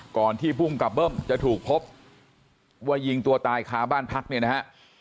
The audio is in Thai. ก่อนที่ภูมิกับเบิ้มจะถูกพบว่ายิงตัวตายค้าบ้านพักเนี่ยนะฮะ